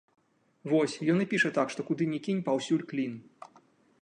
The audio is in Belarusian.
Вось, ён і піша так, што куды ні кінь, паўсюль клін.